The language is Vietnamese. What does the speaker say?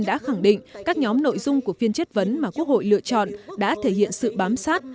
đã khẳng định các nhóm nội dung của phiên chất vấn mà quốc hội lựa chọn đã thể hiện sự bám sát